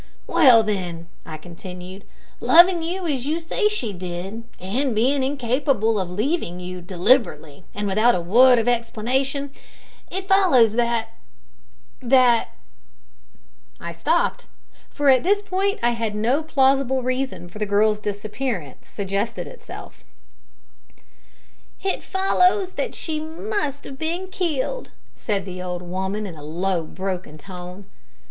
"Well, then," I continued, "loving you as you say she did, and being incapable of leaving you deliberately and without a word of explanation, it follows that that " I stopped, for at this point no plausible reason for the girl's disappearance suggested itself. "It follows that she must have been killed," said the old woman in a low broken tone.